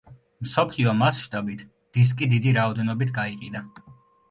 მსოფლიო მასშტაბით დისკი დიდი რაოდენობით გაიყიდა.